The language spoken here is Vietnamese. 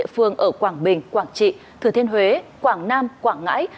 phương ở quảng bình quảng trị thừa thiên huế quảng nam quảng ngãi